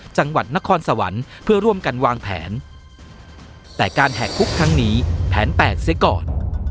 จังหวัดนครสวรรค์เพื่อร่วมกันวางแผนแต่การแหกคุกครั้งนี้แผนแปดเสียก่อน